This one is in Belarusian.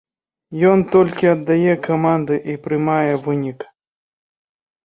Ён толькі аддае каманды і прымае вынік.